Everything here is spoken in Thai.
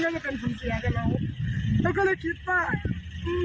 มันก็จะเป็นผลเสียกับเราเราก็เลยคิดว่าอืม